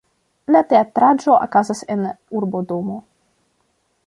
La teatraĵo okazas en urbodomo.